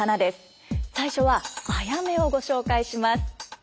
最初は「あやめ」をご紹介します。